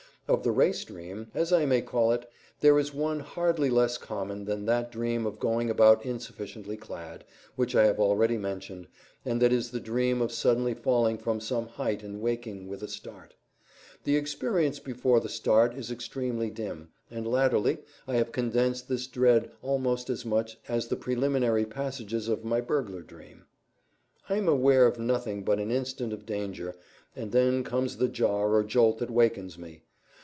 Of the race dream, as I may call it, there is one hardly less common than that dream of going about insufficiently clad, which I have already mentioned, and that is the dream of suddenly falling from some height and waking with a start. The experience before the start is extremely dim, and latterly I have condensed this dread almost as much as the preliminary passages of my burglar dream. I am aware of nothing but an instant of danger, and then comes the jar or jolt that wakens me.